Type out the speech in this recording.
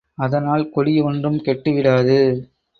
அதனால் குடி ஒன்றும் கெட்டுவிடாது.